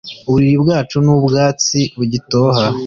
Uburiri bwacu ni ubwatsi bugitoha.